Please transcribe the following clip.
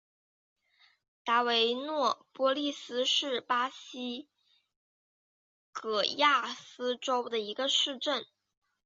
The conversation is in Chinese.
达维诺波利斯是巴西戈亚斯州的一个市镇。